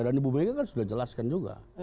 dan bu mega sudah jelaskan juga